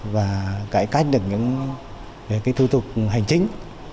và cải cách được những thủ tục hành chính